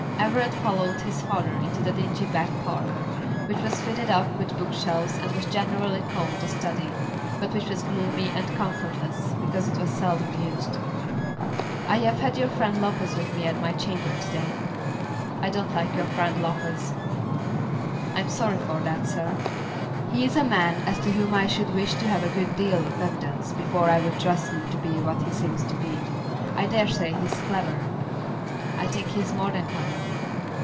Everett followed his father into a dingy back parlour, which was fitted up with book shelves and was generally called the study, but which was gloomy and comfortless because it was seldom used. "I have had your friend Lopez with me at my chambers to day. I don't like your friend Lopez." "I am sorry for that, sir." "He is a man as to whom I should wish to have a good deal of evidence before I would trust him to be what he seems to be. I dare say he's clever." "I think he's more than clever."